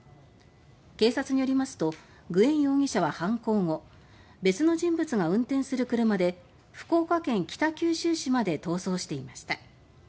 警察によりますとグエン容疑者は犯行後別の人物が運転する車で福岡県北九州市まで逃走していました。